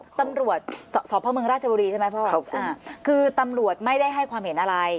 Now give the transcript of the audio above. ตำรวจสพเมืองราชบุรีใช่ไหมพ่อคือตำรวจไม่ได้ให้ความเห็นอะไร